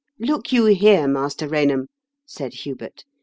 "Look you here, Master Kainham," said Hubert.